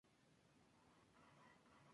A los diecisiete, firmó con Universal Music.